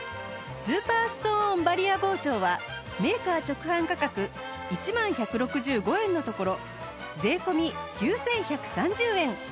スーパーストーンバリア包丁はメーカー直販価格１万１６５円のところ税込９１３０円